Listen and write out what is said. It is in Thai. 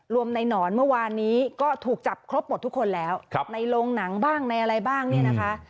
รวมในหนอนเมื่อวานนี้ก็ถูกจับครบหมดทุกคนแล้วในโรงหนังบ้างในอะไรบ้างเนี่ยนะคะ